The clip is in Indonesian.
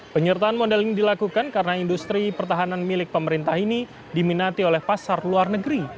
penyertaan modal ini dilakukan karena industri pertahanan milik pemerintah ini diminati oleh pasar luar negeri